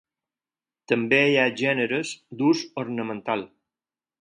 També hi ha gèneres d'ús ornamental.